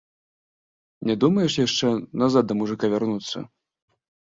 Не думаеш яшчэ назад да мужыка вярнуцца?